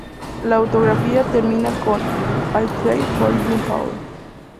La autobiografía termina con "I play for Jon-Paul".